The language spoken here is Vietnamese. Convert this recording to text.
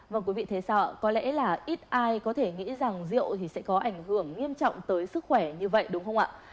và quý vị thế sao ạ có lẽ là ít ai có thể nghĩ rằng rượu sẽ có ảnh hưởng nghiêm trọng tới sức khỏe như vậy đúng không ạ